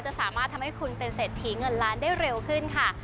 จะสามารถทำให้คุณเป็นเศรษฐีเงินล้านได้เร็วขึ้นค่ะ